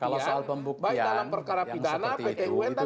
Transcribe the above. kalau soal pembuktian yang seperti itu